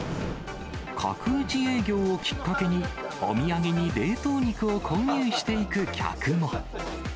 角打ち営業をきっかけに、お土産に冷凍肉を購入していく客も。